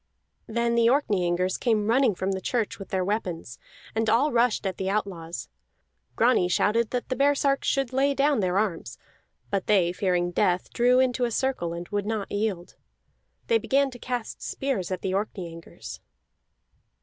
Then the Orkneyingers came running from the church with their weapons, and all rushed at the outlaws. Grani shouted that the baresarks should lay down their arms; but they, fearing death, drew into a circle and would not yield. They began to cast spears at the Orkneyingers.